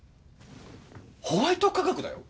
ホワイト化学だよ？